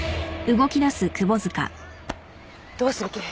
どうする気？